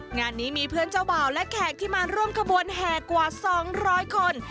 งานนี้มีเพื่อนเจ้าบ่าวและแขกที่มาร่วมขบวนแห่กว่า๒๐๐คน